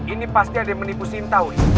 ini pasti ada yang menipu sinta wih